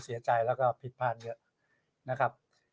เสียใจปิดพลาดเยอะนะครับ